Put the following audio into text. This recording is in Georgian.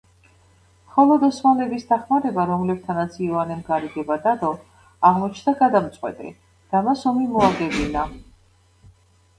მხოლოდ ოსმალების დახმარება, რომლებთანაც იოანემ გარიგება დადო, აღმოჩნდა გადამწყვეტი და მას ომი მოაგებინა.